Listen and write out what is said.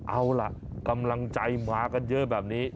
เอาล่ะกำลังใจมากันเยอะแบบนี้